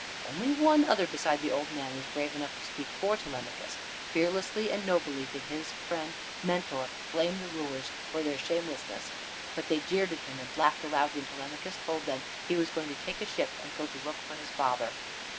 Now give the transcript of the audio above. Only one other beside the old man was brave enough to speak for Telemachus. Fearlessly and nobly did his friend Mentor blame the wooers for their shamelessness. But they jeered at him, and laughed aloud when Telemachus told them he was going to take a ship and go to look for his father.